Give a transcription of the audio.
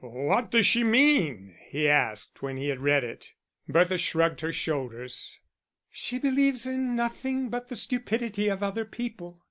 "What does she mean?" he asked, when he had read it. Bertha shrugged her shoulders. "She believes in nothing but the stupidity of other people....